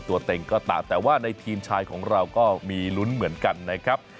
เต็งก็ตามแต่ว่าในทีมชายของเราก็มีลุ้นเหมือนกันนะครับ